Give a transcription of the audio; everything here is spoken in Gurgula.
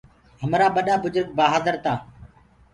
همرآ ڀڏآ بُجرگ بهآدر تآ۔